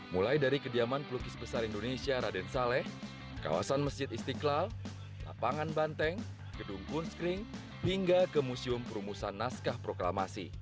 mulai dari kediaman pelukis besar indonesia raden saleh kawasan masjid istiqlal lapangan banteng gedung kunskring hingga ke museum perumusan naskah proklamasi